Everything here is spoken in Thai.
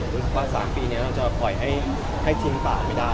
รู้สึกว่า๓ปีนี้เราจะปล่อยให้กินปากไม่ได้